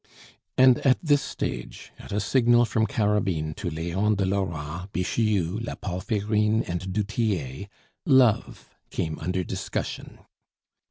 And at this stage, at a signal from Carabine to Leon de Lora, Bixiou, la Palferine, and du Tillet, love came under discussion.